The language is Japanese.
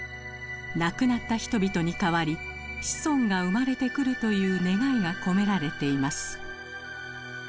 亡くなった人々に代わり子孫が生まれてくるという願いが込められています。